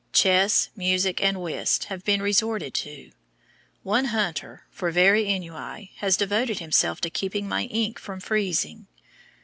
Chess, music, and whist have been resorted to. One hunter, for very ennui, has devoted himself to keeping my ink from freezing.